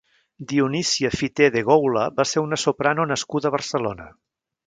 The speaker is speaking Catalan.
Dionisia Fité de Goula va ser una soprano nascuda a Barcelona.